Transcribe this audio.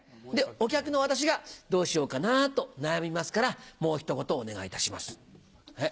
お客の私が「どうしようかな？」と悩みますからもう一言お願いいたします。